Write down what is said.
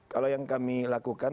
kalau yang kami lakukan